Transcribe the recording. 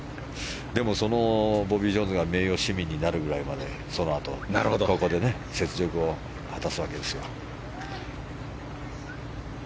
でもそのボビー・ジョーンズが名誉市民になるくらいまでそのあと、ここで雪辱を果たすわけですが。